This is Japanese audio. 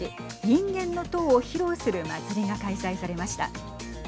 人間の塔を披露する祭りが開催されました。